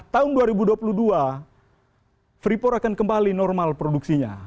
tahun dua ribu dua puluh dua freeport akan kembali normal produksinya